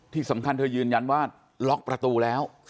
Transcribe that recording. ที่สำคัญเธอยืนยันว่าล็อกประตูแล้ว